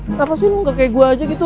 kenapa sih lo ga kayak gua aja gitu